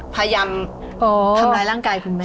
พยายามทำร้ายร่างกายคุณแม่